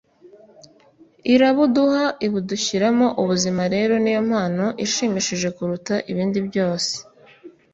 irabuduha, ibudushyiramo. ubuzima rero ni yo mpano ishimishije kuruta ibindi byose